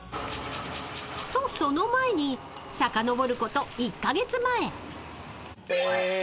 ［とその前にさかのぼること１カ月前］